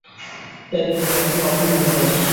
যাইহোক, লাইব্রেরি কখন বন্ধ হয়?